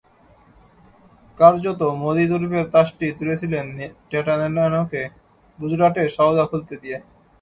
কার্যত মোদি তুরুপের তাসটি তুলেছিলেন টাটা ন্যানোকে গুজরাটে সওদা খুলতে দিয়ে।